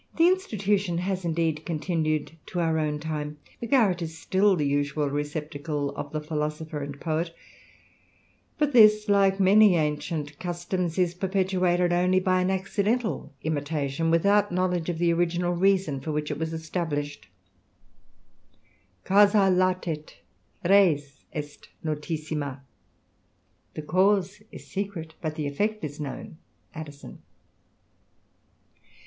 The institution has, indeed, continued to our own time ; 5 garret is still the usual receptacle of the philosopher and et ; but this, like many ancient customs, is perpetuated ly by an accidental imitation, without knowledge of the ginal reason for which it was established :Causa latet: res est notissima." The cause is secret, but th' effect is known." AODISON.